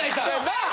なあ？